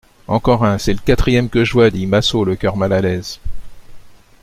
Encore un, c'est le quatrième que je vois, dit Massot, le cœur mal à l'aise.